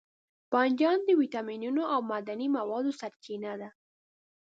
بانجان د ویټامینونو او معدني موادو سرچینه ده.